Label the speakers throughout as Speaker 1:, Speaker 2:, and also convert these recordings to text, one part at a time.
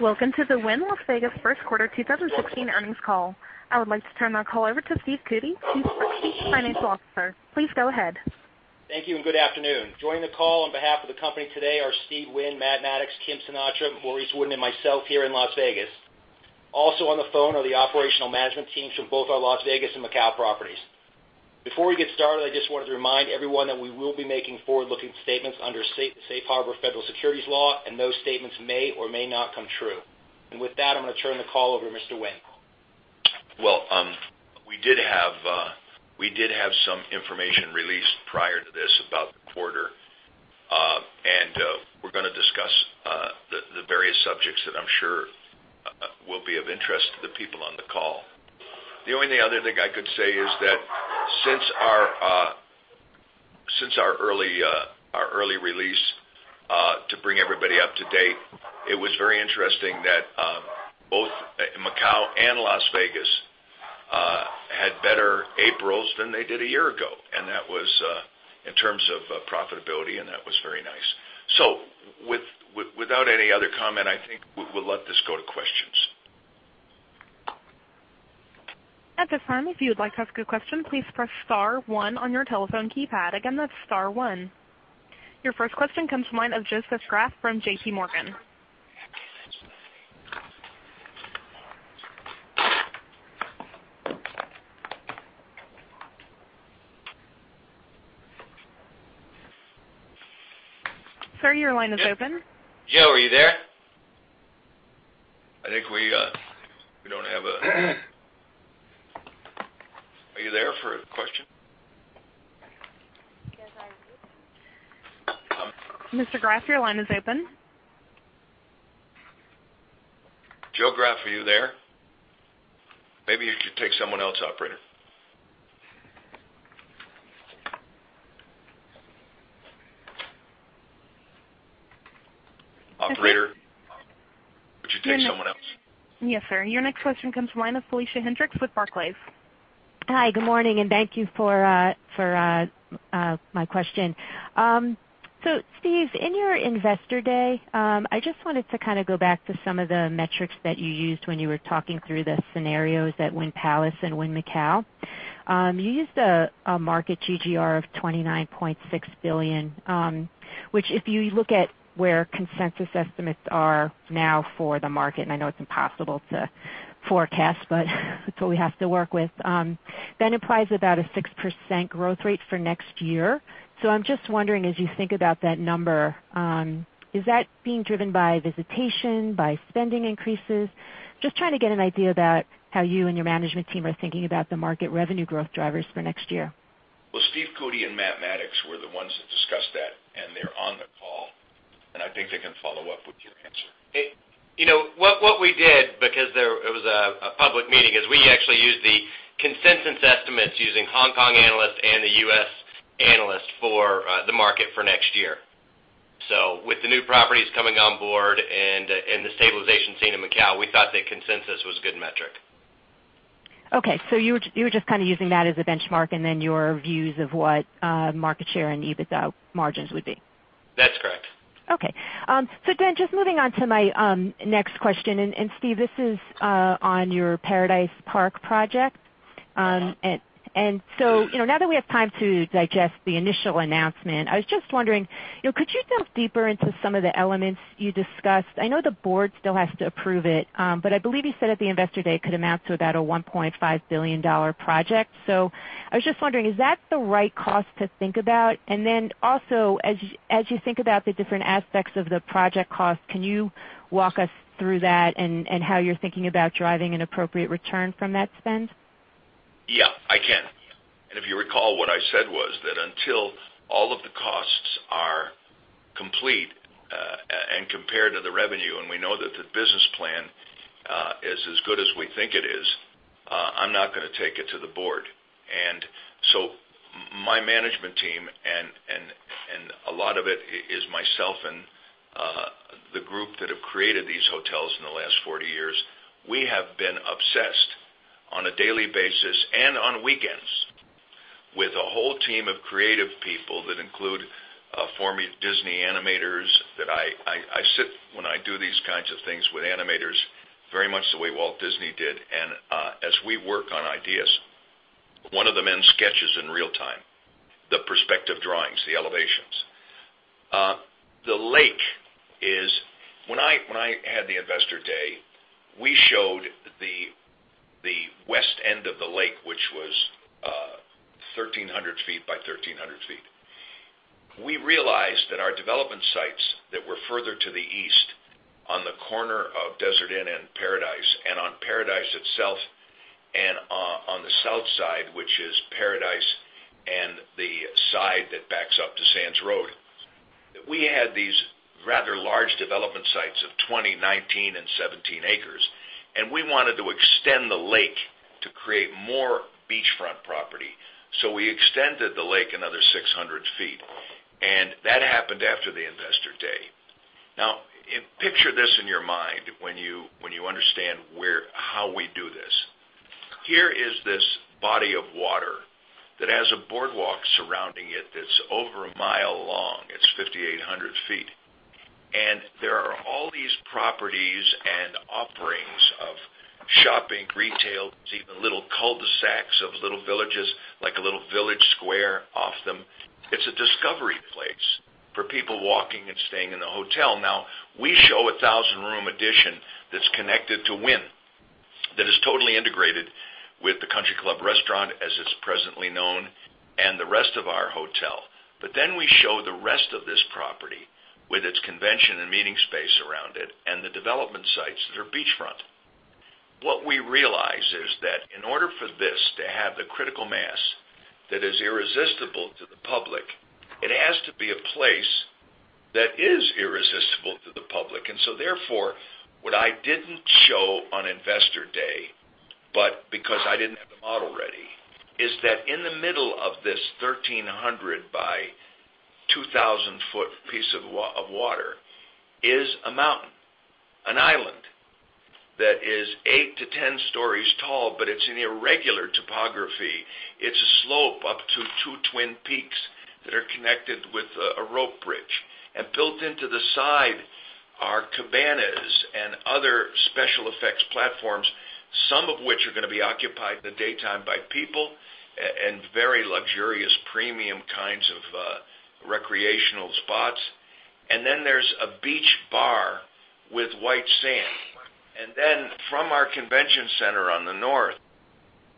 Speaker 1: Welcome to the Wynn Las Vegas first quarter 2016 earnings call. I would like to turn our call over to Stephen Cootey, Wynn Resorts' Chief Financial Officer. Please go ahead.
Speaker 2: Thank you. Good afternoon. Joining the call on behalf of the company today are Steve Wynn, Matt Maddox, Kim Sinatra, Maurice Wooden, and myself here in Las Vegas. Also on the phone are the operational management teams from both our Las Vegas and Macau properties. Before we get started, I just wanted to remind everyone that we will be making forward-looking statements under Safe Harbor federal securities law. Those statements may or may not come true. With that, I'm going to turn the call over to Mr. Wynn.
Speaker 3: Well, we did have some information released prior to this about the quarter. We're going to discuss the various subjects that I'm sure will be of interest to the people on the call. The only other thing I could say is that since our early release, to bring everybody up to date, it was very interesting that both Macau and Las Vegas had better Aprils than they did a year ago, and that was in terms of profitability, and that was very nice. Without any other comment, I think we'll let this go to questions.
Speaker 1: At this time, if you would like to ask a question, please press star one on your telephone keypad. Again, that's star one. Your first question comes from the line of Joseph Greff from J.P. Morgan. Sir, your line is open.
Speaker 3: Joe, are you there? Are you there for a question?
Speaker 4: Yes, I am.
Speaker 3: Huh?
Speaker 1: Mr. Greff, your line is open.
Speaker 3: Joe Greff, are you there? Maybe you should take someone else, Operator. Operator, would you take someone else?
Speaker 1: Yes, sir. Your next question comes from the line of Felicia Hendrix with Barclays.
Speaker 5: Hi, good morning, and thank you for my question. Steve, in your Investor Day, I just wanted to go back to some of the metrics that you used when you were talking through the scenarios at Wynn Palace and Wynn Macau. You used a market GGR of $29.6 billion, which if you look at where consensus estimates are now for the market, and I know it's impossible to forecast, but it's what we have to work with. Implies about a 6% growth rate for next year. I'm just wondering, as you think about that number, is that being driven by visitation, by spending increases? Just trying to get an idea about how you and your management team are thinking about the market revenue growth drivers for next year.
Speaker 3: Well, Stephen Cootey and Matt Maddox were the ones that discussed that, and they're on the call, and I think they can follow up with your answer.
Speaker 2: What we did, because it was a public meeting, is we actually used the consensus estimates using Hong Kong analysts and the U.S. analysts for the market for next year. With the new properties coming on board and the stabilization seen in Macau, we thought that consensus was a good metric.
Speaker 5: Okay, you were just using that as a benchmark and then your views of what market share and EBITDA margins would be.
Speaker 2: That's correct.
Speaker 5: Okay. Just moving on to my next question, and Steve, this is on your Paradise Park project. Now that we have time to digest the initial announcement, I was just wondering, could you delve deeper into some of the elements you discussed? I know the board still has to approve it, but I believe you said at the Investor Day it could amount to about a $1.5 billion project. I was just wondering, is that the right cost to think about? Also, as you think about the different aspects of the project cost, can you walk us through that and how you're thinking about driving an appropriate return from that spend?
Speaker 3: Yeah, I can. If you recall, what I said was that until all of the costs are complete, compared to the revenue, we know that the business plan is as good as we think it is, I'm not going to take it to the board. My management team, and a lot of it is myself and the group that have created these hotels in the last 40 years, we have been obsessed on a daily basis and on weekends with a whole team of creative people that include former Disney animators, that I sit, when I do these kinds of things, with animators very much the way Walt Disney did. As we work on ideas, one of the men sketches in real time, the perspective drawings, the elevations. When I had the Investor Day, we showed the west end of the lake, which was 1,300 feet by 1,300 feet. We realized that our development sites that were further to the east, on the corner of Desert Inn and Paradise, on Paradise itself, and on the south side, which is Paradise and the side that backs up to Sands Avenue, that we had these rather large development sites of 20, 19, and 17 acres, we wanted to extend the lake to create more beachfront property. We extended the lake another 600 feet, that happened after the Investor Day. Picture this in your mind when you understand how we do this. Here is this body of water that has a boardwalk surrounding it that's over a mile long. It's 5,800 feet. There are all these properties and offerings of shopping, retail. There's even little cul-de-sacs of little villages, like a little village square off them. It's a discovery place for people walking and staying in the hotel. We show a 1,000-room addition that's connected to Wynn that is totally integrated with The Country Club restaurant as it's presently known, and the rest of our hotel. We show the rest of this property with its convention and meeting space around it and the development sites that are beachfront. What we realize is that in order for this to have the critical mass that is irresistible to the public, it has to be a place that is irresistible to the public. Therefore, what I didn't show on Investor Day, because I didn't have the model ready, is that in the middle of this 1,300 by 2,000-foot piece of water is a mountain, an island that is eight to 10 stories tall, but it's an irregular topography. It's a slope up to two twin peaks that are connected with a rope bridge. Built into the side are cabanas and other special effects platforms, some of which are going to be occupied in the daytime by people and very luxurious premium kinds of recreational spots. There's a beach bar with white sand. From our convention center on the north,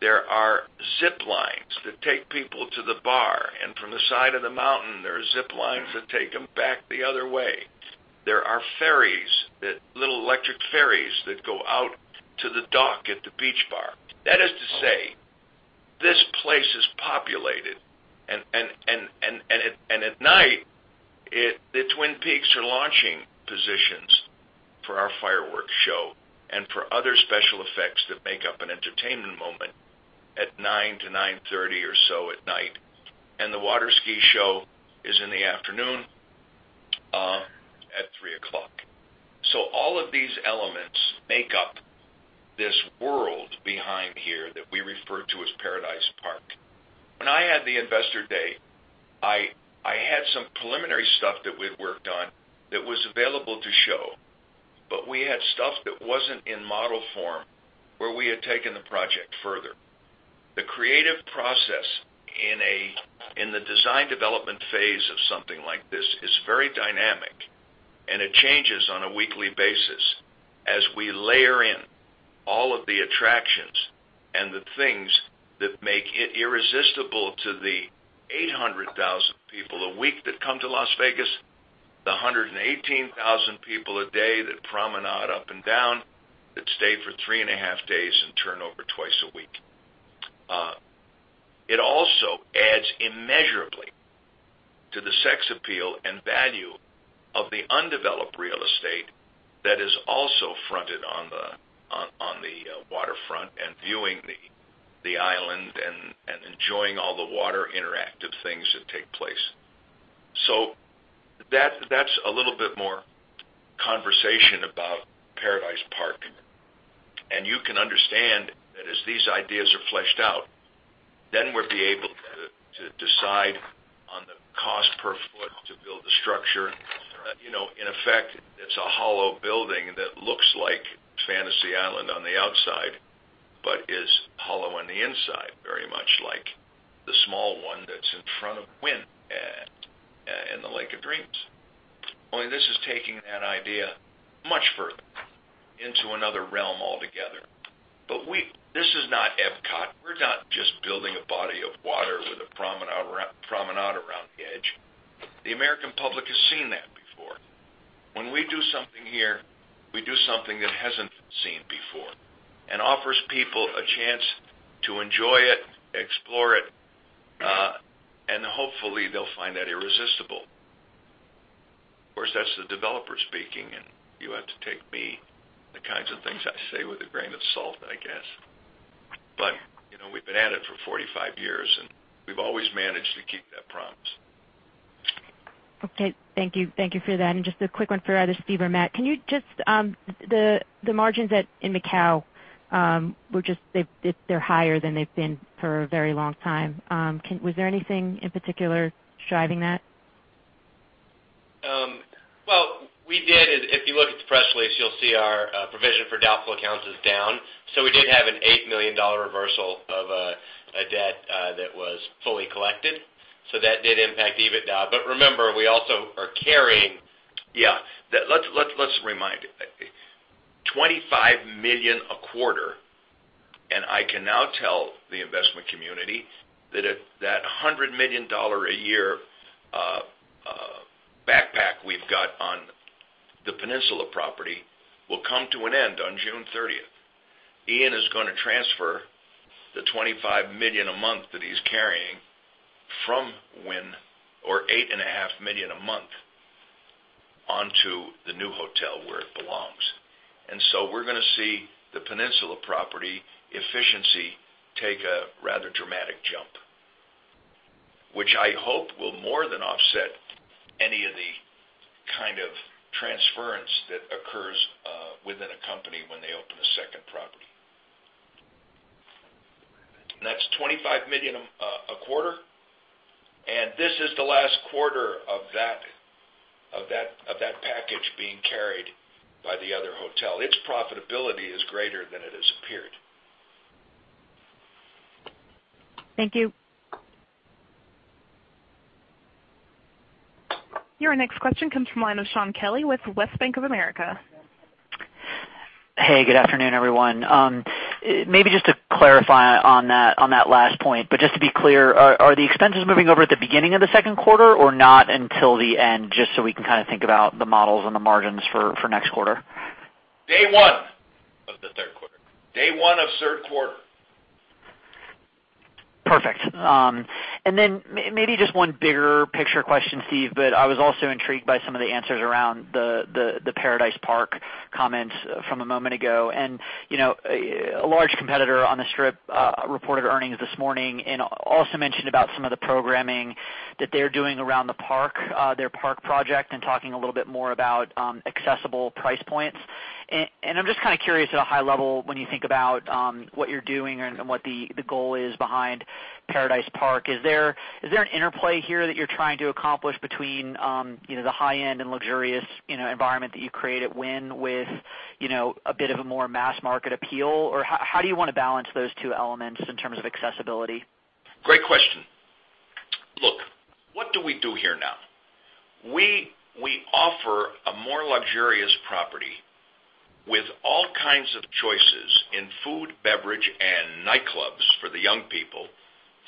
Speaker 3: there are zip lines that take people to the bar, and from the side of the mountain, there are zip lines that take them back the other way. There are ferries, little electric ferries that go out to the dock at the beach bar. That is to say, this place is populated. At night, the twin peaks are launching positions for our fireworks show and for other special effects that make up an entertainment moment at 9:00 to 9:30 or so at night. The water ski show is in the afternoon at 3:00. All of these elements make up this world behind here that we refer to as Paradise Park. When I had the Investor Day, I had some preliminary stuff that we'd worked on that was available to show, but we had stuff that wasn't in model form where we had taken the project further. The creative process in the design development phase of something like this is very dynamic, and it changes on a weekly basis as we layer in all of the attractions and the things that make it irresistible to the 800,000 people a week that come to Las Vegas, the 118,000 people a day that promenade up and down that stay for three and a half days and turn over twice a week. It also adds immeasurably to the sex appeal and value of the undeveloped real estate that is also fronted on the waterfront and viewing the island and enjoying all the water interactive things that take place. That's a little bit more conversation about Paradise Park. You can understand that as these ideas are fleshed out, then we'll be able to decide on the cost per foot to build the structure. In effect, it's a hollow building that looks like Fantasy Island on the outside, but is hollow on the inside, very much like the small one that's in front of Wynn in the Lake of Dreams. Only this is taking that idea much further into another realm altogether. This is not Epcot. We're not just building a body of water with a promenade around the edge. The American public has seen that before. When we do something here, we do something that hasn't been seen before and offers people a chance to enjoy it, explore it, and hopefully, they'll find that irresistible. Of course, that's the developer speaking, you have to take me, the kinds of things I say with a grain of salt, I guess. We've been at it for 45 years, and we've always managed to keep that promise.
Speaker 5: Okay. Thank you for that. Just a quick one for either Steve or Matt. The margins in Macau, they're higher than they've been for a very long time. Was there anything in particular driving that?
Speaker 6: If you look at the press release, you'll see our provision for doubtful accounts is down. We did have an $8 million reversal of a debt that was fully collected. That did impact EBIT.
Speaker 3: Let's remind. $25 million a quarter. I can now tell the investment community that $100 million a year backpack we've got on the Peninsula property will come to an end on June 30th. Ian is going to transfer the $25 million a month that he's carrying from Wynn, or $8.5 million a month, onto the new hotel where it belongs. We're going to see the Peninsula property efficiency take a rather dramatic jump, which I hope will more than offset any of the kind of transference that occurs within a company when they open a second property. That's $25 million a quarter, and this is the last quarter of that package being carried by the other hotel. Its profitability is greater than it has appeared.
Speaker 5: Thank you.
Speaker 1: Your next question comes from the line of Shaun Kelley with Bank of America.
Speaker 7: Good afternoon, everyone. Maybe just to clarify on that last point, just to be clear, are the expenses moving over at the beginning of the second quarter or not until the end? Just so we can kind of think about the models and the margins for next quarter.
Speaker 3: Day one of the third quarter. Day one of third quarter.
Speaker 7: Perfect. Then maybe just one bigger picture question, Steve, I was also intrigued by some of the answers around the Paradise Park comments from a moment ago. A large competitor on the Strip reported earnings this morning and also mentioned about some of the programming that they're doing around their park project and talking a little bit more about accessible price points. I'm just kind of curious at a high level, when you think about what you're doing and what the goal is behind Paradise Park, is there an interplay here that you're trying to accomplish between the high-end and luxurious environment that you create at Wynn with a bit of a more mass market appeal? How do you want to balance those two elements in terms of accessibility?
Speaker 3: Great question. Look, what do we do here now? We offer a more luxurious property with all kinds of choices in food, beverage, and nightclubs for the young people,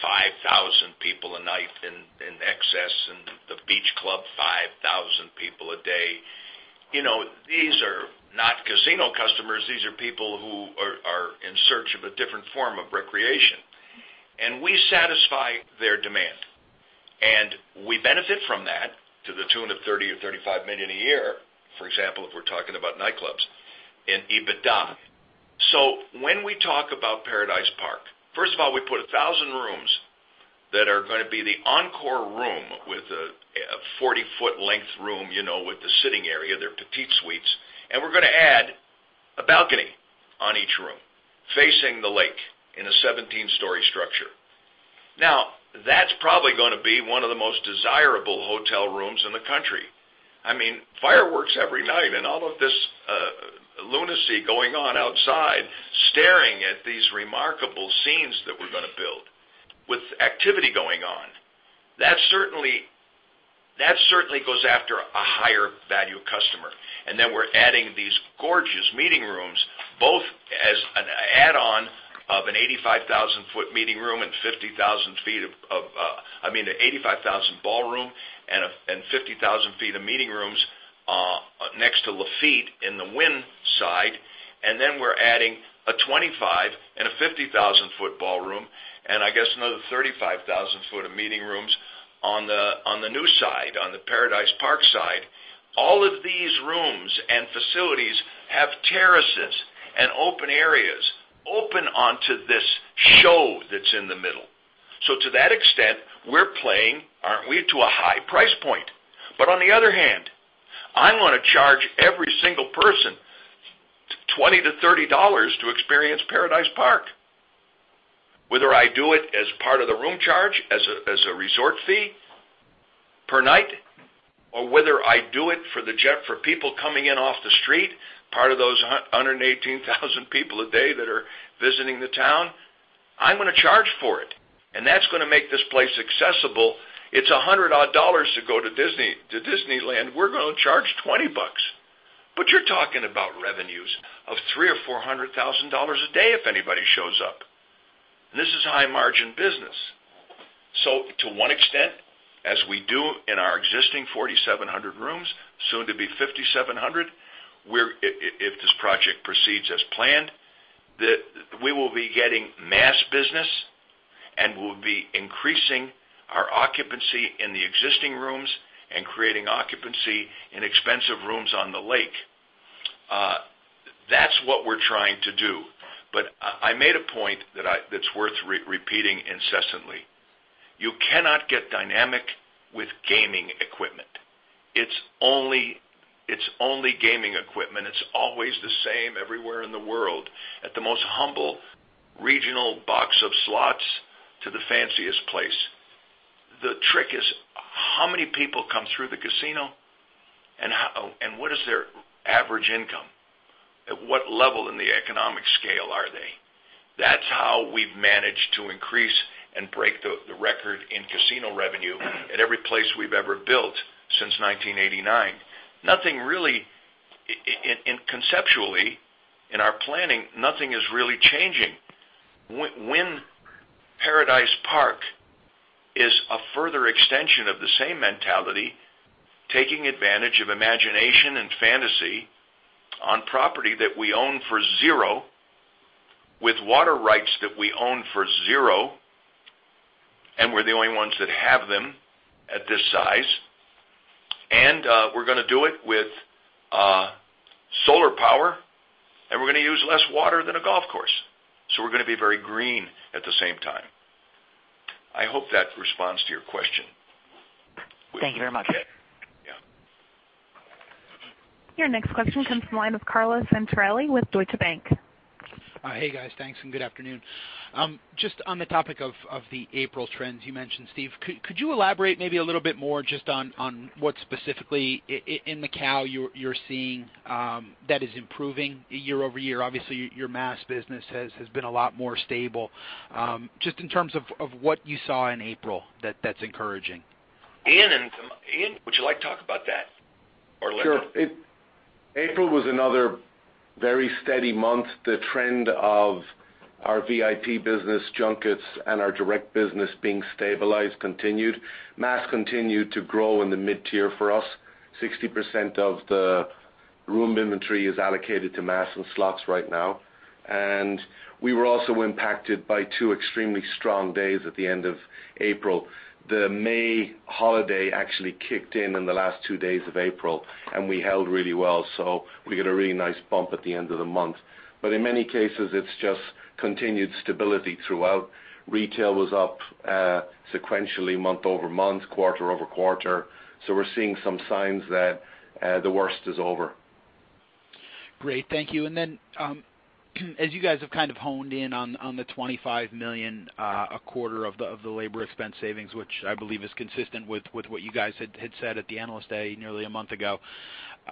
Speaker 3: 5,000 people a night in excess in the beach club, 5,000 people a day. These are not casino customers. These are people who are in search of a different form of recreation, and we satisfy their demand. We benefit from that to the tune of $30 or $35 million a year, for example, if we're talking about nightclubs in EBITDA. When we talk about Paradise Park, first of all, we put 1,000 rooms that are going to be the Encore room with a 40-foot length room with the sitting area. They're petite suites. We're going to add a balcony on each room facing the lake in a 17-story structure. Now, that's probably going to be one of the most desirable hotel rooms in the country. Fireworks every night and all of this lunacy going on outside, staring at these remarkable scenes that we're going to build with activity going on. That certainly goes after a higher value customer. Then we're adding these gorgeous meeting rooms, both as an add-on of an 85,000 ballroom and 50,000 feet of meeting rooms next to Lafite in the Wynn side. Then we're adding a 25 and a 50,000-foot ballroom and I guess another 35,000 foot of meeting rooms on the new side, on the Paradise Park side. All of these rooms and facilities have terraces and open areas open onto this show that's in the middle. To that extent, we're playing, aren't we, to a high price point. On the other hand, I want to charge every single person $20 to $30 to experience Paradise Park. Whether I do it as part of the room charge, as a resort fee per night, or whether I do it for people coming in off the street, part of those 118,000 people a day that are visiting the town, I'm going to charge for it. That's going to make this place accessible. It's $100 odd to go to Disneyland. We're going to charge $20. You're talking about revenues of $300,000 or $400,000 a day if anybody shows up. This is high margin business. To one extent, as we do in our existing 4,700 rooms, soon to be 5,700, if this project proceeds as planned, we will be getting mass business, and we'll be increasing our occupancy in the existing rooms and creating occupancy in expensive rooms on the lake. That's what we're trying to do. But I made a point that's worth repeating incessantly. You cannot get dynamic with gaming equipment. It's only gaming equipment. It's always the same everywhere in the world, at the most humble regional box of slots to the fanciest place. The trick is how many people come through the casino and what is their average income? At what level in the economic scale are they? That's how we've managed to increase and break the record in casino revenue at every place we've ever built since 1989. Conceptually in our planning, nothing is really changing. Wynn Paradise Park is a further extension of the same mentality, taking advantage of imagination and fantasy on property that we own for zero with water rights that we own for zero, and we're the only ones that have them at this size. We're going to do it with Use less water than a golf course. We're going to be very green at the same time. I hope that responds to your question.
Speaker 7: Thank you very much.
Speaker 3: Yeah.
Speaker 1: Your next question comes from the line of Carlo Santarelli with Deutsche Bank.
Speaker 8: Hey, guys. Thanks. Good afternoon. Just on the topic of the April trends you mentioned, Steve, could you elaborate maybe a little bit more just on what specifically in Macau you're seeing that is improving year-over-year? Obviously, your mass business has been a lot more stable. Just in terms of what you saw in April that's encouraging.
Speaker 3: Ian, would you like to talk about that? Linda?
Speaker 9: Sure. April was another very steady month. The trend of our VIP business junkets and our direct business being stabilized continued. Mass continued to grow in the mid-tier for us. 60% of the room inventory is allocated to mass and slots right now. We were also impacted by two extremely strong days at the end of April. The May holiday actually kicked in the last two days of April, we held really well. We get a really nice bump at the end of the month. In many cases, it's just continued stability throughout. Retail was up sequentially month-over-month, quarter-over-quarter. We're seeing some signs that the worst is over.
Speaker 8: Great. Thank you. As you guys have kind of honed in on the $25 million a quarter of the labor expense savings, which I believe is consistent with what you guys had said at the Analyst Day nearly a month ago,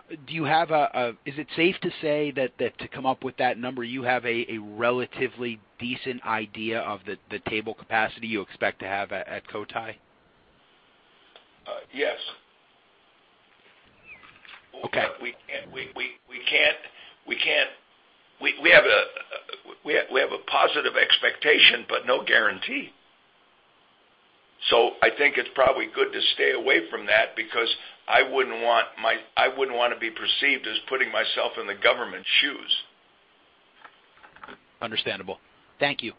Speaker 8: is it safe to say that to come up with that number, you have a relatively decent idea of the table capacity you expect to have at Cotai?
Speaker 3: Yes.
Speaker 8: Okay.
Speaker 3: We have a positive expectation, but no guarantee. I think it's probably good to stay away from that because I wouldn't want to be perceived as putting myself in the government's shoes.
Speaker 8: Understandable. Thank you.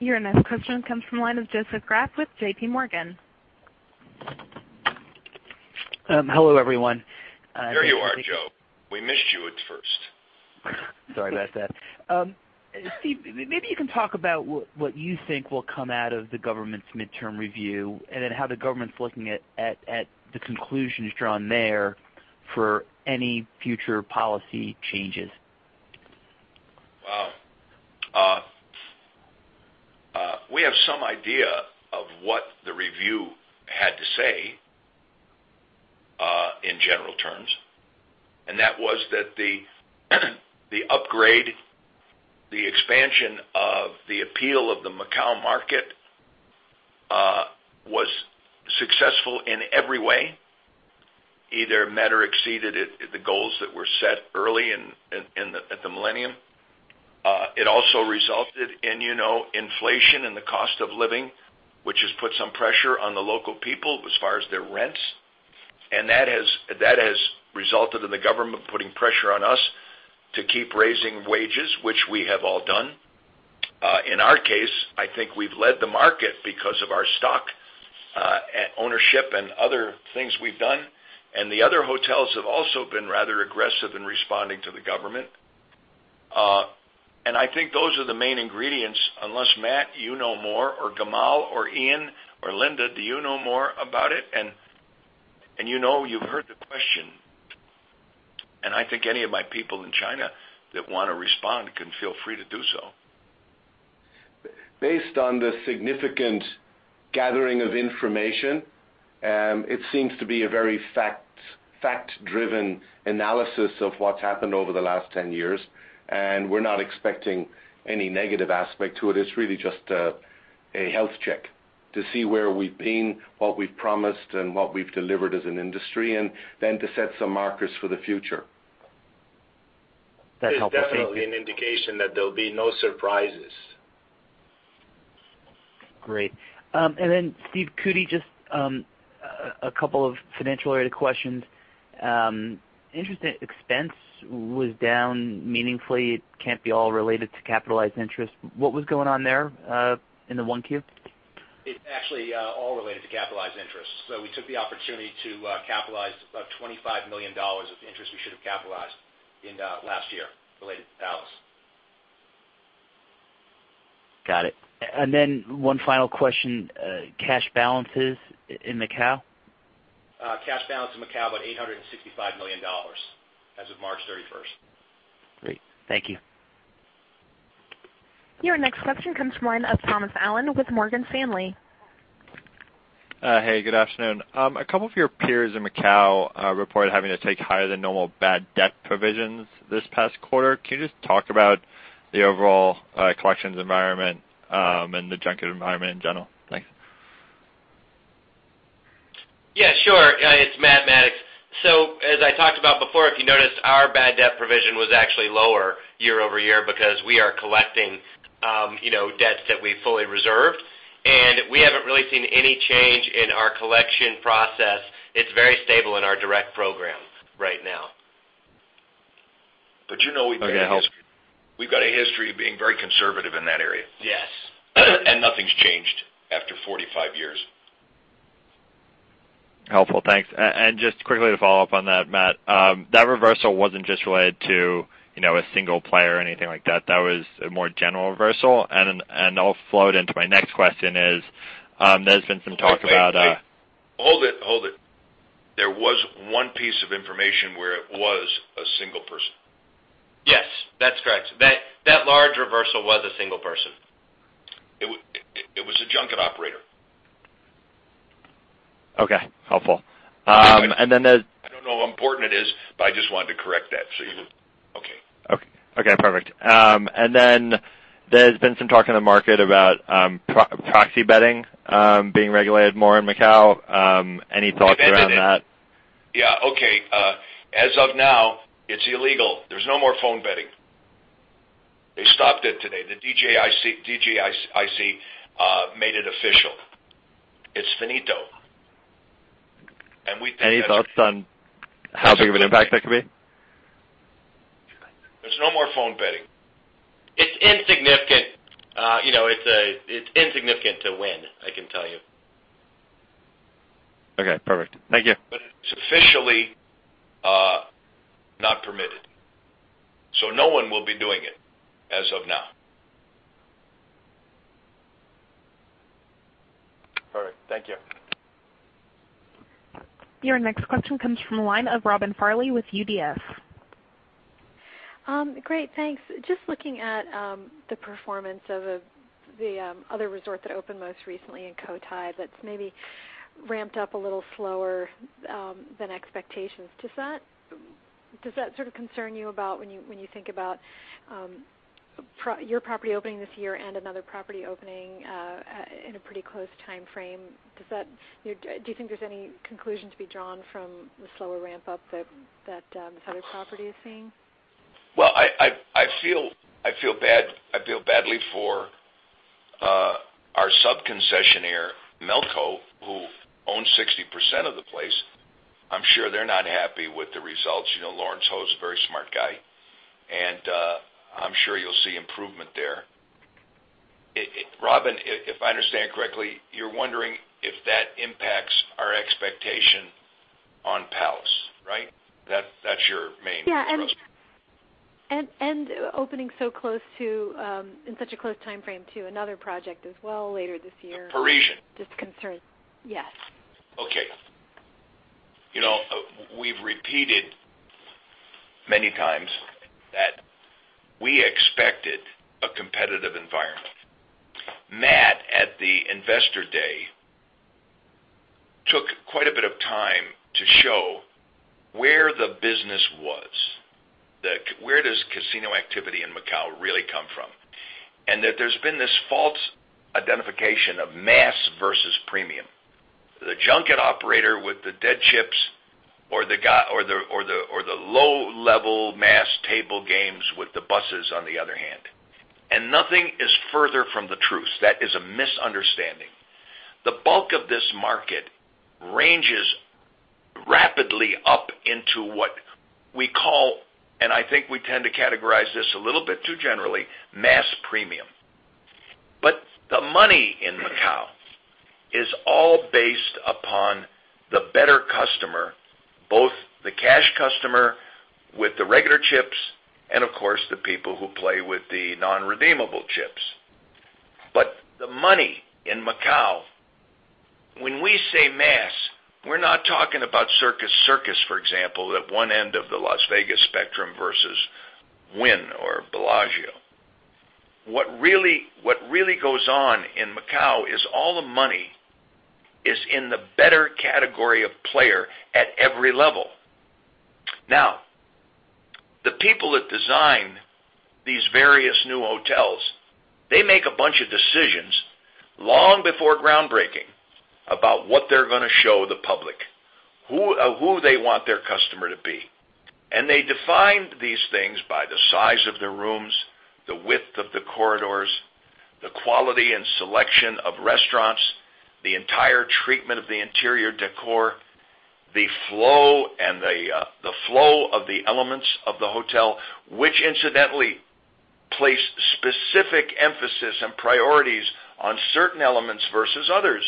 Speaker 1: Your next question comes from the line of Joseph Greff with J.P. Morgan.
Speaker 4: Hello, everyone.
Speaker 3: There you are, Joe. We missed you at first.
Speaker 4: Sorry about that. Steve, maybe you can talk about what you think will come out of the government's midterm review, how the government's looking at the conclusions drawn there for any future policy changes.
Speaker 3: Wow. We have some idea of what the review had to say, in general terms, that was that the upgrade, the expansion of the appeal of the Macau market was successful in every way, either met or exceeded the goals that were set early at the millennium. It also resulted in inflation and the cost of living, which has put some pressure on the local people as far as their rents. That has resulted in the government putting pressure on us to keep raising wages, which we have all done. In our case, I think we've led the market because of our stock ownership and other things we've done, and the other hotels have also been rather aggressive in responding to the government. I think those are the main ingredients. Unless, Matt, you know more, or Gamal or Ian or Linda, do you know more about it? You've heard the question, I think any of my people in China that want to respond can feel free to do so.
Speaker 9: Based on the significant gathering of information, it seems to be a very fact-driven analysis of what's happened over the last 10 years. We're not expecting any negative aspect to it. It's really just a health check to see where we've been, what we've promised, and what we've delivered as an industry, then to set some markers for the future.
Speaker 4: That's helpful. Thank you.
Speaker 3: It's definitely an indication that there'll be no surprises.
Speaker 4: Steve, could you just a couple of financial-related questions. Interest expense was down meaningfully. It can't be all related to capitalized interest. What was going on there in the 1Q?
Speaker 2: It's actually all related to capitalized interest. We took the opportunity to capitalize about $25 million of interest we should have capitalized in last year related to Palace.
Speaker 4: Got it. One final question, cash balances in Macau?
Speaker 2: Cash balance in Macau, about $865 million as of March 31st.
Speaker 4: Great. Thank you.
Speaker 1: Your next question comes from the line of Thomas Allen with Morgan Stanley.
Speaker 10: Hey, good afternoon. A couple of your peers in Macau reported having to take higher than normal bad debt provisions this past quarter. Can you just talk about the overall collections environment and the junket environment in general? Thanks.
Speaker 2: Yeah, sure. It's Matt Maddox. As I talked about before, if you noticed, our bad debt provision was actually lower year-over-year because we are collecting debts that we fully reserved, and we haven't really seen any change in our collection process. It's very stable in our direct program right now.
Speaker 6: You know we've got a history of being very conservative in that area.
Speaker 2: Yes.
Speaker 3: Nothing's changed after 45 years.
Speaker 10: Helpful. Thanks. Just quickly to follow up on that, Matt, that reversal wasn't just related to a single player or anything like that. That was a more general reversal. I'll flow it into my next question is, there's been some talk about.
Speaker 3: Hold it, hold it. There was one piece of information where it was a single person.
Speaker 6: Yes, that's correct. That large reversal was a single person.
Speaker 3: It was a junket operator.
Speaker 10: Okay. Helpful.
Speaker 3: I don't know how important it is, but I just wanted to correct that. Okay.
Speaker 10: Okay, perfect. There's been some talk in the market about proxy betting being regulated more in Macau. Any thoughts around that?
Speaker 3: Yeah. Okay. As of now, it's illegal. There's no more phone betting. They stopped it today. The DICJ made it official. It's finito.
Speaker 10: Any thoughts on how big of an impact that could be?
Speaker 3: There's no more phone betting.
Speaker 6: It's insignificant. It's insignificant to Wynn, I can tell you.
Speaker 10: Okay, perfect. Thank you.
Speaker 3: It's officially not permitted, no one will be doing it as of now.
Speaker 10: All right. Thank you.
Speaker 1: Your next question comes from the line of Robin Farley with UBS.
Speaker 11: Great, thanks. Just looking at the performance of the other resort that opened most recently in Cotai, that's maybe ramped up a little slower than expectations. Does that sort of concern you about when you think about your property opening this year and another property opening in a pretty close timeframe? Do you think there's any conclusion to be drawn from the slower ramp-up that this other property is seeing?
Speaker 3: Well, I feel badly for our sub-concessionaire, Melco, who owns 60% of the place. I'm sure they're not happy with the results. Lawrence Ho is a very smart guy, I'm sure you'll see improvement there. Robin, if I understand correctly, you're wondering if that impacts our expectation on Palace, right? That's your main concern.
Speaker 11: Opening in such a close timeframe to another project as well later this year.
Speaker 3: Parisian.
Speaker 11: Just concerns. Yes.
Speaker 3: Okay. We've repeated many times that we expected a competitive environment. Matt, at the Investor Day, took quite a bit of time to show where the business was, where does casino activity in Macau really come from? That there's been this false identification of mass versus premium. The junket operator with the dead chips or the low-level mass table games with the buses on the other hand. Nothing is further from the truth. That is a misunderstanding. The bulk of this market ranges rapidly up into what we call, and I think we tend to categorize this a little bit too generally, mass premium. The money in Macau is all based upon the better customer, both the cash customer with the regular chips and, of course, the people who play with the non-redeemable chips. The money in Macau, when we say mass, we're not talking about Circus Circus, for example, at one end of the Las Vegas Spectrum versus Wynn or Bellagio. What really goes on in Macau is all the money is in the better category of player at every level. Now, the people that design these various new hotels, they make a bunch of decisions long before groundbreaking about what they're going to show the public, who they want their customer to be. They defined these things by the size of the rooms, the width of the corridors, the quality and selection of restaurants, the entire treatment of the interior decor, the flow of the elements of the hotel, which incidentally place specific emphasis and priorities on certain elements versus others,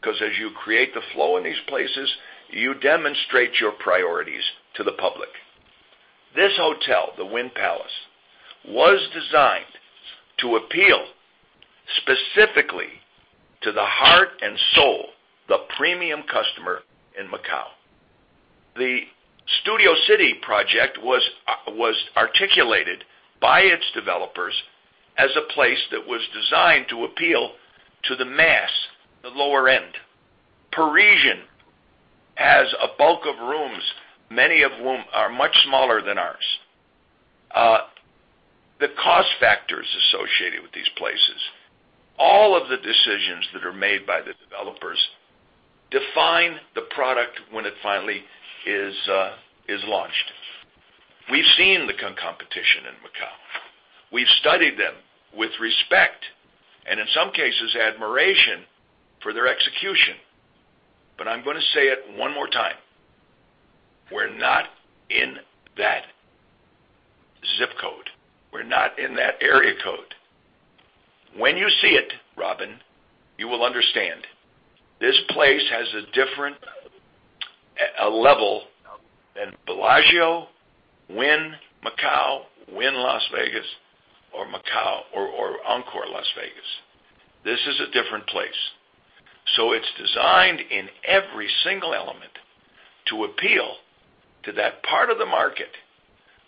Speaker 3: because as you create the flow in these places, you demonstrate your priorities to the public. This hotel, the Wynn Palace, was designed to appeal specifically to the heart and soul, the premium customer in Macau. The Studio City project was articulated by its developers as a place that was designed to appeal to the mass, the lower end. Parisian has a bulk of rooms, many of whom are much smaller than ours. The cost factors associated with these places, all of the decisions that are made by the developers define the product when it finally is launched. We've seen the competition in Macau. We've studied them with respect and, in some cases, admiration for their execution. I'm going to say it one more time. We're not in that business. When you see it, Robin, you will understand. This place has a different level than Bellagio, Wynn Macau, Wynn Las Vegas, or Macau, or Encore Las Vegas. This is a different place. It's designed in every single element to appeal to that part of the market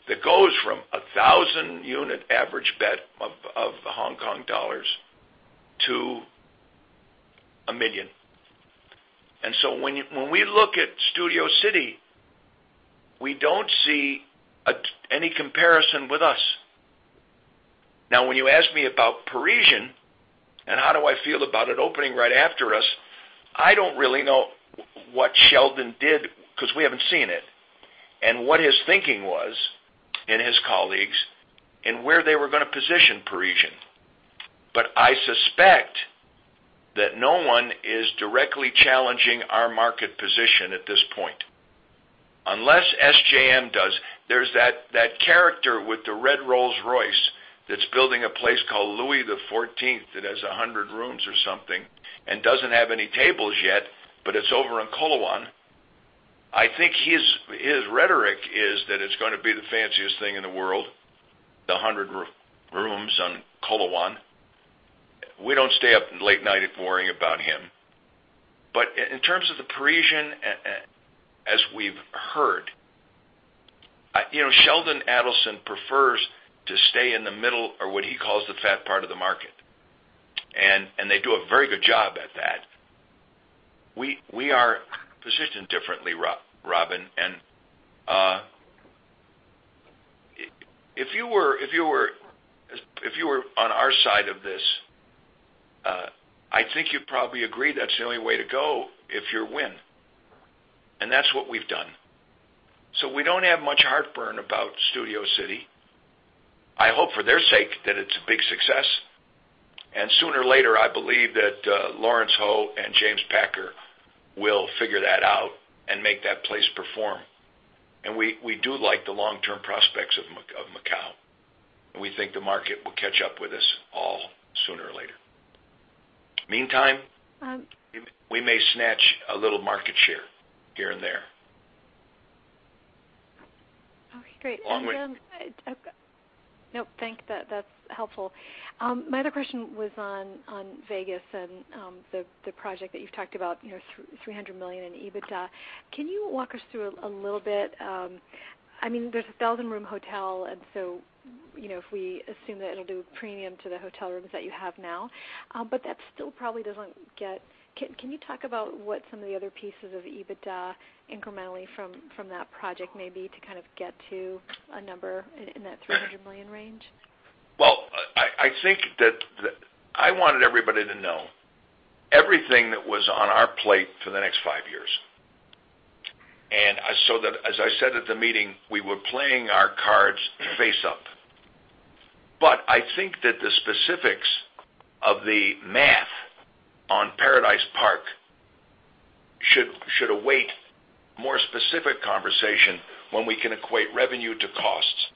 Speaker 3: that goes from 1,000 unit average bet of HKD to 1 million. When we look at Studio City, we don't see any comparison with us. Now, when you ask me about Parisian and how do I feel about it opening right after us, I don't really know what Sheldon did, because we haven't seen it, and what his thinking was, and his colleagues, and where they were going to position Parisian. I suspect that no one is directly challenging our market position at this point. Unless SJM does. There's that character with the red Rolls-Royce that's building a place called Louis XIV that has 100 rooms or something and doesn't have any tables yet, but it's over in Coloane. I think his rhetoric is that it's going to be the fanciest thing in the world, the 100 rooms on Coloane. We don't stay up late night worrying about him. In terms of the Parisian, as we've heard, Sheldon Adelson prefers to stay in the middle or what he calls the fat part of the market, and they do a very good job at that. We are positioned differently, Robin, and if you were on our side of this, I think you'd probably agree that's the only way to go if you're Wynn, and that's what we've done. We don't have much heartburn about Studio City. I hope for their sake that it's a big success. Sooner or later, I believe that Lawrence Ho and James Packer will figure that out and make that place perform. We do like the long-term prospects of Macau, and we think the market will catch up with us all sooner or later. Meantime, we may snatch a little market share here and there.
Speaker 11: Okay, great.
Speaker 3: Long way-
Speaker 11: No, thank you. That's helpful. My other question was on Vegas and the project that you've talked about, $300 million in EBITDA. Can you walk us through a little bit? There's 1,000 room hotel, and so if we assume that it'll do premium to the hotel rooms that you have now, but that still probably doesn't get. Can you talk about what some of the other pieces of EBITDA incrementally from that project may be to kind of get to a number in that $300 million range?
Speaker 3: Well, I think that I wanted everybody to know everything that was on our plate for the next five years. That as I said at the meeting, we were playing our cards face up. I think that the specifics of the math on Paradise Park should await more specific conversation when we can equate revenue to costs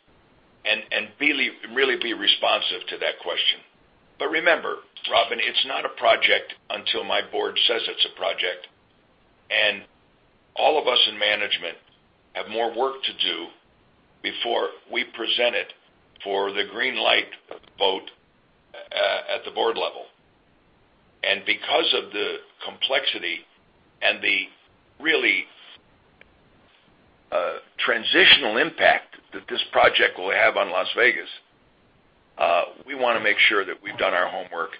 Speaker 3: and really be responsive to that question. Remember, Robin, it's not a project until my board says it's a project, and all of us in management have more work to do before we present it for the green light vote at the board level. Because of the complexity and the really transitional impact that this project will have on Las Vegas, we want to make sure that we've done our homework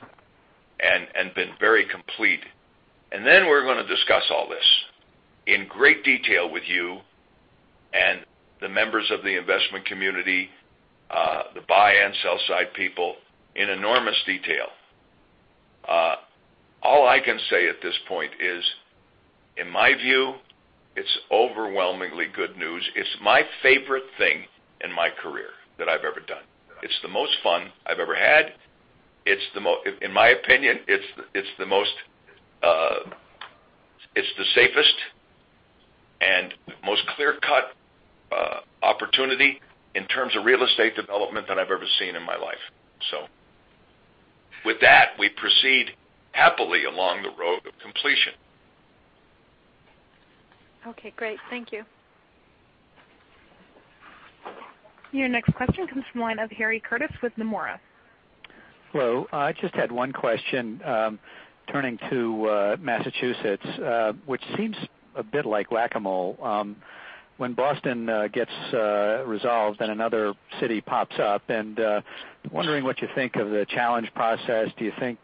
Speaker 3: and been very complete. We're going to discuss all this in great detail with you and the members of the investment community, the buy and sell side people in enormous detail. All I can say at this point is, in my view, it's overwhelmingly good news. It's my favorite thing in my career that I've ever done. It's the most fun I've ever had. In my opinion, it's the safest and most clear-cut opportunity in terms of real estate development that I've ever seen in my life. With that, we proceed happily along the road of completion.
Speaker 11: Okay, great. Thank you.
Speaker 1: Your next question comes from the line of Harry Curtis with Nomura.
Speaker 12: Hello. I just had one question, turning to Massachusetts, which seems a bit like whack-a-mole. When Boston gets resolved, then another city pops up. Wondering what you think of the challenge process. Do you think,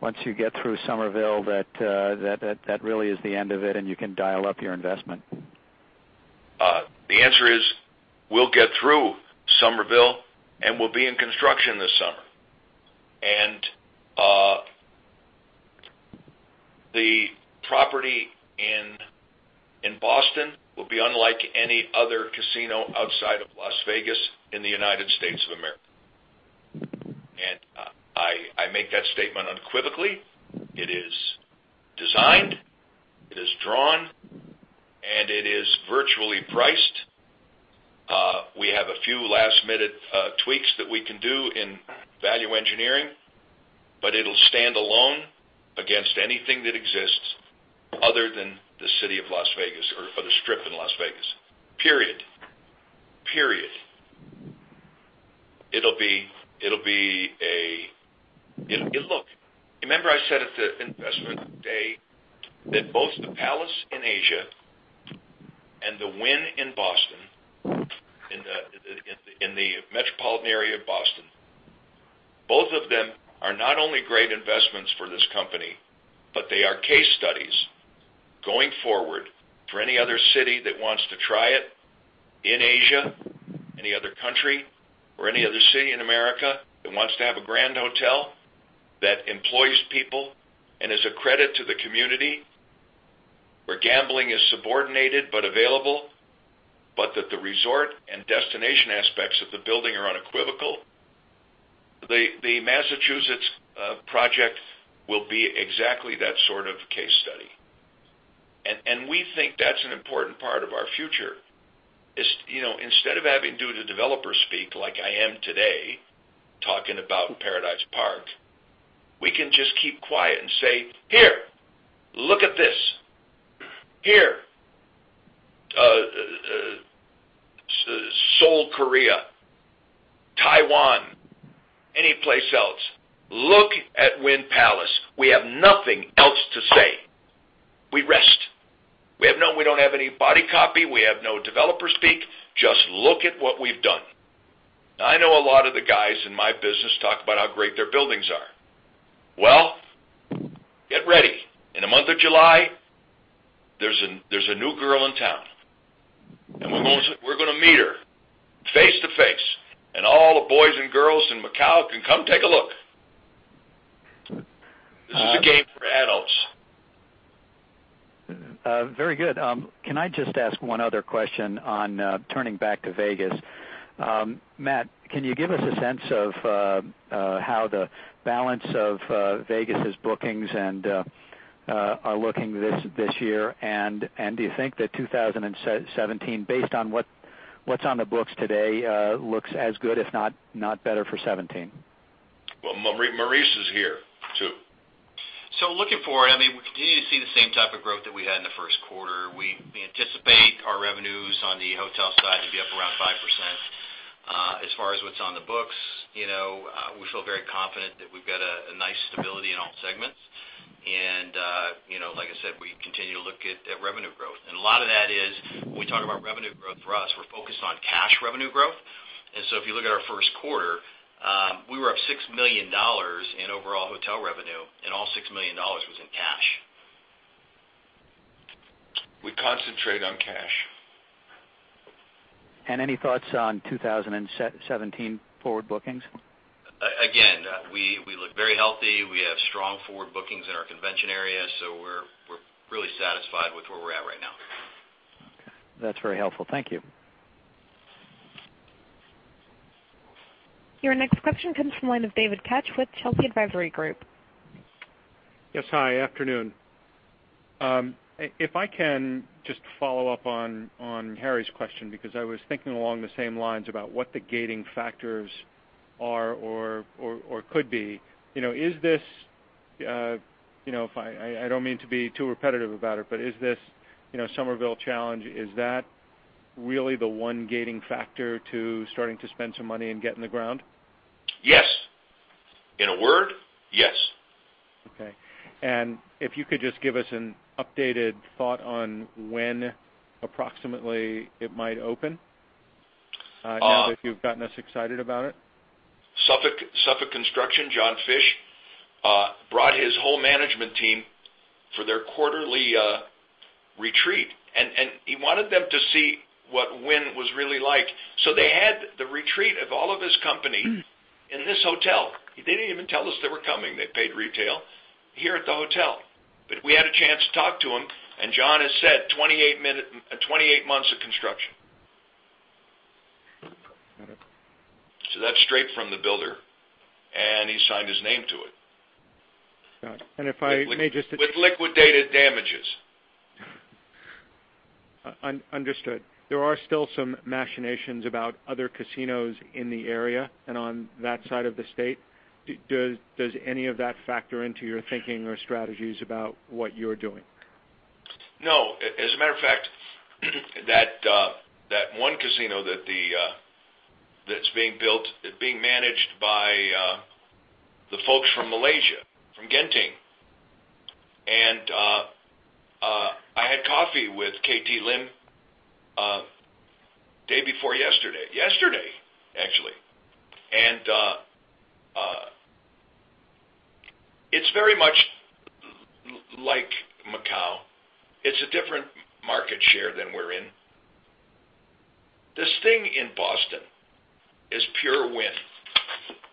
Speaker 12: once you get through Somerville, that really is the end of it and you can dial up your investment?
Speaker 3: The property in Boston will be unlike any other casino outside of Las Vegas in the U.S.A. I make that statement unequivocally. It is designed. Virtually priced. We have a few last-minute tweaks that we can do in value engineering, but it will stand alone against anything that exists other than the city of Las Vegas or the Strip in Las Vegas, period. Remember I said at the Investor Day that both the Palace in Asia and the Wynn in the metropolitan area of Boston, both of them are not only great investments for this company, but they are case studies going forward for any other city that wants to try it in Asia, any other country or any other city in America that wants to have a grand hotel that employs people and is a credit to the community, where gambling is subordinated but available, but that the resort and destination aspects of the building are unequivocal. The Massachusetts project will be exactly that sort of case study, and we think that's an important part of our future. Instead of having to do the developer speak, like I am today talking about Paradise Park, we can just keep quiet and say, "Here, look at this. Here." Seoul, Korea, Taiwan, any place else. Look at Wynn Palace. We have nothing else to say. We rest. We don't have any body copy. We have no developer speak. Just look at what we've done. I know a lot of the guys in my business talk about how great their buildings are. Well, get ready. In the month of July, there's a new girl in town, and we're going to meet her face to face, and all the boys and girls in Macau can come take a look. This is a game for adults.
Speaker 12: Very good. Can I just ask one other question on turning back to Vegas? Matt, can you give us a sense of how the balance of Vegas' bookings are looking this year, and do you think that 2017, based on what's on the books today, looks as good if not better for 2017?
Speaker 3: Well, Maurice is here, too.
Speaker 13: Looking forward, we continue to see the same type of growth that we had in the first quarter. We anticipate our revenues on the hotel side to be up around 5%. As far as what's on the books, we feel very confident that we've got a nice stability in all segments. Like I said, we continue to look at revenue growth. A lot of that is when we talk about revenue growth for us, we're focused on cash revenue growth. If you look at our first quarter, we were up $6 million in overall hotel revenue, and all $6 million was in cash.
Speaker 3: We concentrate on cash.
Speaker 12: Any thoughts on 2017 forward bookings?
Speaker 13: Again, we look very healthy. We have strong forward bookings in our convention area, so we're really satisfied with where we're at right now.
Speaker 12: Okay. That's very helpful. Thank you.
Speaker 1: Your next question comes from the line of David Katz with Telsey Advisory Group.
Speaker 14: Yes. Hi, afternoon. If I can just follow up on Harry's question because I was thinking along the same lines about what the gating factors are or could be. I don't mean to be too repetitive about it, but is this Somerville challenge, is that really the one gating factor to starting to spend some money and get in the ground?
Speaker 3: Yes. In a word, yes.
Speaker 14: Okay. If you could just give us an updated thought on when approximately it might open, now that you've gotten us excited about it.
Speaker 3: Suffolk Construction, John Fish, brought his whole management team for their quarterly retreat, and he wanted them to see what Wynn was really like. They had the retreat of all of his company in this hotel. They didn't even tell us they were coming. They paid retail here at the hotel. We had a chance to talk to him, and John has said 28 months of construction.
Speaker 14: Got it.
Speaker 3: That's straight from the builder, and he signed his name to it.
Speaker 14: Got it. If I may just-
Speaker 3: With liquidated damages.
Speaker 14: Understood. There are still some machinations about other casinos in the area and on that side of the state. Does any of that factor into your thinking or strategies about what you're doing?
Speaker 3: No. As a matter of fact, that one casino that's being built, is being managed by the folks from Malaysia, from Genting. I had coffee with KT Lim day before yesterday. Yesterday, actually. It's very much like Macau. It's a different market share than we're in. This thing in Boston is pure Wynn.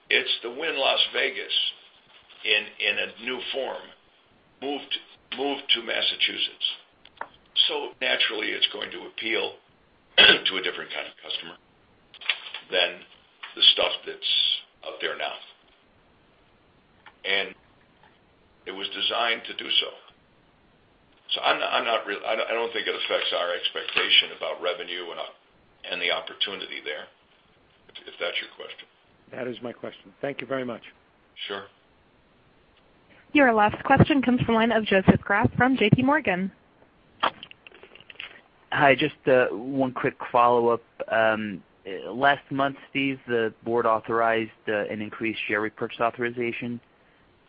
Speaker 3: It's the Wynn Las Vegas in a new form, moved to Massachusetts. Naturally, it's going to appeal to a different kind of customer than To do so. I don't think it affects our expectation about revenue and the opportunity there, if that's your question.
Speaker 14: That is my question. Thank you very much.
Speaker 3: Sure.
Speaker 1: Your last question comes from the line of Joseph Greff from J.P. Morgan.
Speaker 4: Hi, just one quick follow-up. Last month, Steve, the board authorized an increased share repurchase authorization.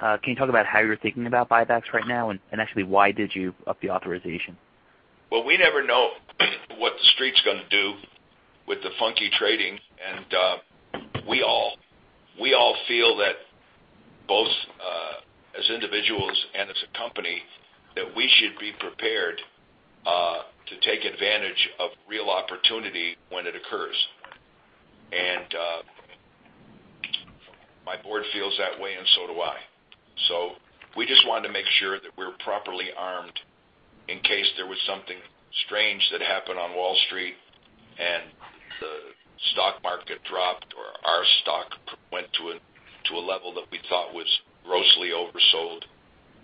Speaker 4: Can you talk about how you're thinking about buybacks right now, and actually, why did you up the authorization?
Speaker 3: Well, we never know what the street's going to do with the funky trading, we all feel that both as individuals and as a company, that we should be prepared to take advantage of real opportunity when it occurs. My board feels that way, and so do I. We just wanted to make sure that we were properly armed in case there was something strange that happened on Wall Street and the stock market dropped, or our stock went to a level that we thought was grossly oversold,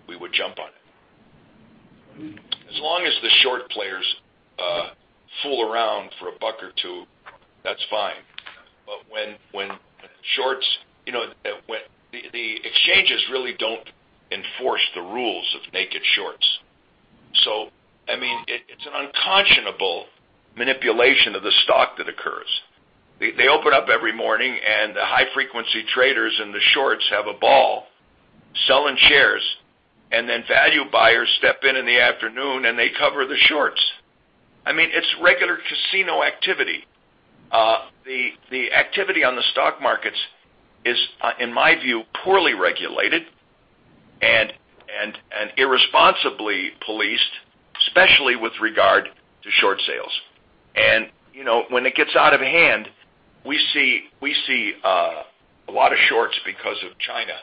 Speaker 3: we would jump on it. As long as the short players fool around for a buck or two, that's fine. The exchanges really don't enforce the rules of naked shorts. It's an unconscionable manipulation of the stock that occurs. They open up every morning, the high-frequency traders and the shorts have a ball selling shares, then value buyers step in in the afternoon, and they cover the shorts. It's regular casino activity. The activity on the stock markets is, in my view, poorly regulated and irresponsibly policed, especially with regard to short sales. When it gets out of hand, we see a lot of shorts because of China,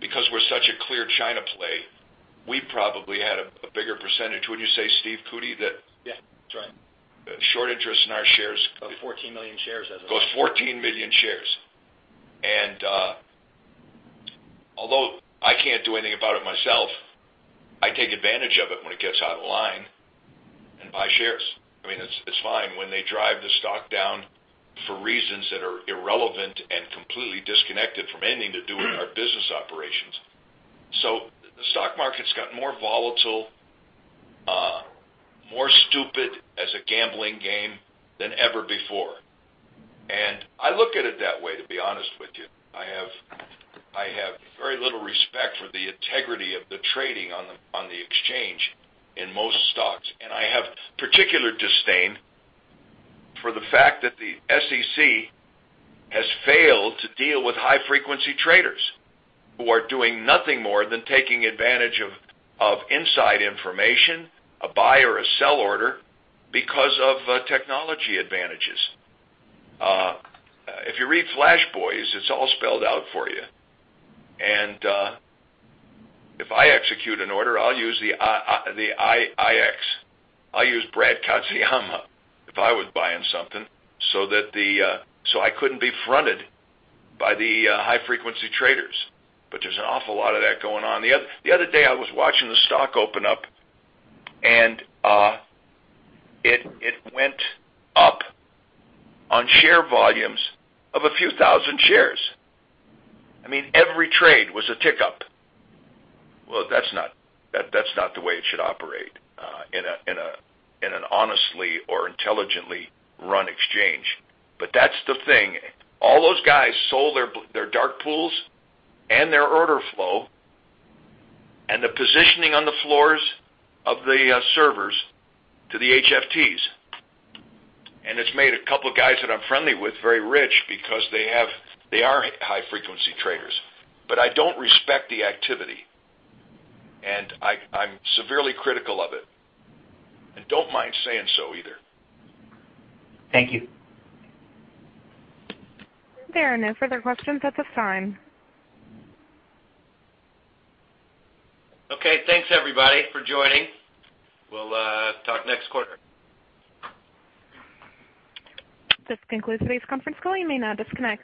Speaker 3: because we're such a clear China play. We probably had a bigger percentage. Wouldn't you say, Stephen Cootey, that-
Speaker 2: Yeah, that's right
Speaker 3: short interest in our shares-
Speaker 2: 14 million shares.
Speaker 3: Goes 14 million shares. Although I can't do anything about it myself, I take advantage of it when it gets out of line and buy shares. It's fine when they drive the stock down for reasons that are irrelevant and completely disconnected from anything to do with our business operations. The stock market's got more volatile, more stupid as a gambling game than ever before. I look at it that way, to be honest with you. I have very little respect for the integrity of the trading on the exchange in most stocks. I have particular disdain for the fact that the SEC has failed to deal with high-frequency traders who are doing nothing more than taking advantage of inside information, a buy or a sell order, because of technology advantages. If you read "Flash Boys," it's all spelled out for you. If I execute an order, I'll use the IEX. I'll use Brad Katsuyama if I was buying something so I couldn't be fronted by the high-frequency traders. There's an awful lot of that going on. The other day, I was watching the stock open up, and it went up on share volumes of a few thousand shares. Every trade was a tick up. That's not the way it should operate in an honestly or intelligently run exchange. That's the thing. All those guys sold their dark pools and their order flow and the positioning on the floors of the servers to the HFTs. It's made a couple of guys that I'm friendly with very rich because they are high-frequency traders. I don't respect the activity, and I'm severely critical of it, and don't mind saying so either.
Speaker 4: Thank you.
Speaker 1: There are no further questions at this time.
Speaker 3: Okay. Thanks everybody for joining. We will talk next quarter.
Speaker 1: This concludes today's conference call. You may now disconnect.